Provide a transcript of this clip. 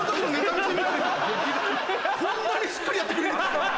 こんなにしっかりやってくれるんですか？